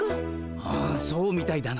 ああそうみたいだな。